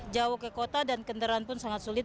jauh ke kota dan kendaraan pun sangat sulit